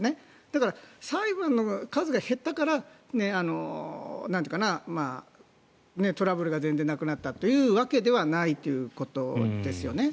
だから、裁判の数が減ったからトラブルが全然なくなったというわけではないということですよね。